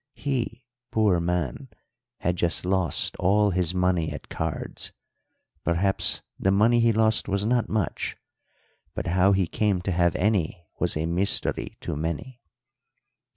He, poor man, had just lost all his money at cards perhaps the money he lost was not much, but how he came to have any was a mystery to many.